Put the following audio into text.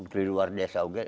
di luar desa